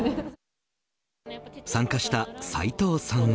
参加した斎藤さんは。